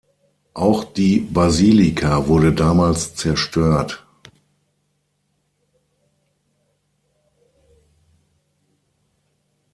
Auch die Basilika wurde damals zerstört.